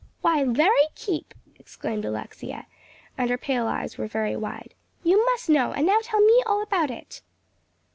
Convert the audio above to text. "Why, Larry Keep!" exclaimed Alexia, and her pale eyes were very wide, "you must know; and now tell me all about it."